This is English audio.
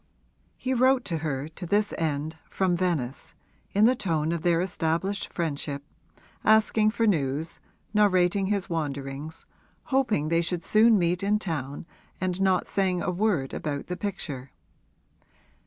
He wrote to her, to this end, from Venice, in the tone of their established friendship, asking for news, narrating his wanderings, hoping they should soon meet in town and not saying a word about the picture.